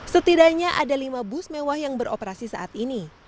setidaknya ada lima bus mewah yang beroperasi saat ini